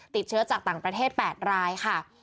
ติดเชื้อจากต่างประเทศ๘รายค่ะ